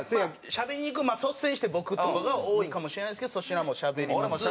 しゃべりにいくまあ率先して僕とかが多いかもしれないですけど粗品もしゃべります。